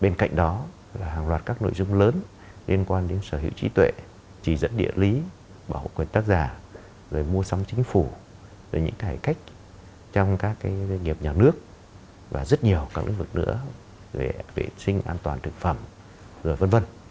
bên cạnh đó là hàng loạt các nội dung lớn liên quan đến sở hữu trí tuệ chỉ dẫn địa lý bảo hộ quyền tác giả rồi mua xong chính phủ rồi những cải cách trong các doanh nghiệp nhà nước và rất nhiều các lĩnh vực nữa về vệ sinh an toàn thực phẩm rồi v v